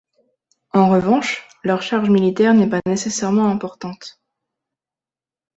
En revanche, leur charge militaire n'est pas nécessairement importante.